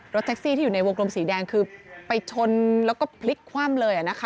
แท็กซี่ที่อยู่ในวงกลมสีแดงคือไปชนแล้วก็พลิกคว่ำเลยนะคะ